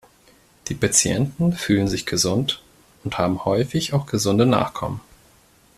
Die Patienten fühlen sich gesund und haben häufig auch gesunde Nachkommen.